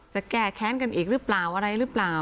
จะแก้แค้นกันอีกหรือเปล่าอะไรหรือเปล่า